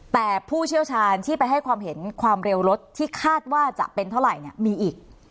แต่ผู้เชี่ยวชาญที่ไปให้ความเห็นความเร็วรถที่คาดว่าจะเป็นเท่าไหร่เนี่ยมีอีก